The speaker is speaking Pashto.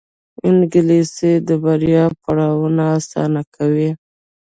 انګلیسي د بریا پړاوونه اسانه کوي